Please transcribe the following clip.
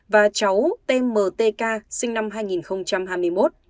và cháu tmtk sinh năm hai nghìn hai mươi một